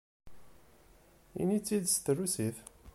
Ini-tt-id s trusit!